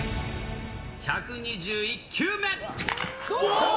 １２１球目。